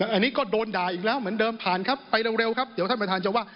อันนี้ก็โดนด่าอีกแล้วเหมือนเดิมผ่านครับไปเร็วครับเดี๋ยวท่านประธานจะว่า